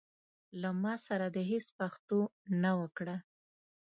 له ما سره دي هيڅ پښتو نه وکړه.